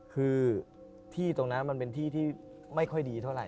คือที่ตรงนั้นมันเป็นที่ที่ไม่ค่อยดีเท่าไห